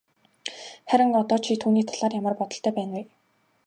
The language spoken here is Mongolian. Харин одоо чи түүний талаар ямар бодолтой байна вэ?